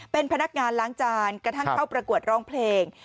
เป็นพนักงานล้างจานกระทั่งเข้าประกวดร้องเพลง